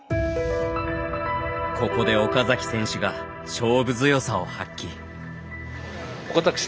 ここで岡崎選手が勝負強さを発揮。